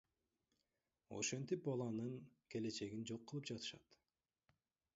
Ошентип баланын келечегин жок кылып жатышат.